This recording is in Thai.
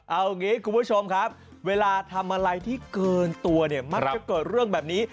เอาอย่างนี้คุณผู้ชมครับเวลาทำอะไรที่เกินตัวเนี่ยมักจะเกิดเรื่องแบบนี้